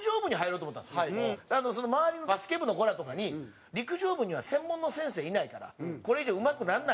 周りのバスケ部の子らとかに「陸上部には専門の先生いないからこれ以上うまくならないよ」